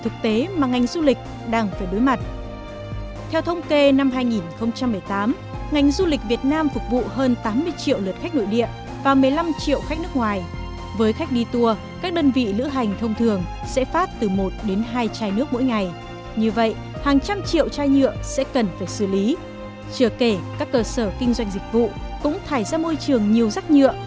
chừa kể các cơ sở kinh doanh dịch vụ cũng thải ra môi trường nhiều rắc nhựa